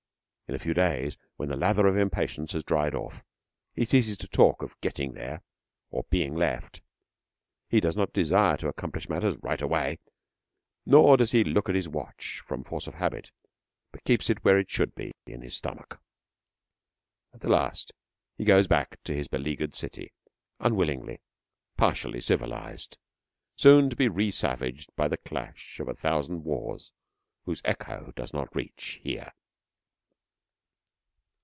In a few days, when the lather of impatience has dried off, he ceases to talk of 'getting there' or 'being left.' He does not desire to accomplish matters 'right away,' nor does he look at his watch from force of habit, but keeps it where it should be in his stomach. At the last he goes back to his beleaguered city, unwillingly, partially civilised, soon to be resavaged by the clash of a thousand wars whose echo does not reach here.